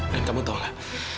dan kamu tahu nggak